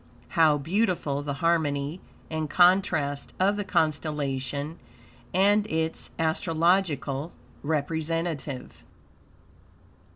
How beautiful the harmony and contrast of the constellation and its astrological representative.